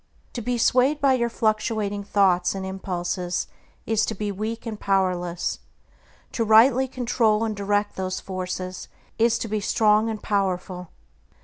To be swayed by your fluctuating thoughts and impulses is to be weak and powerless; to rightly control and direct those forces is to be strong and powerful.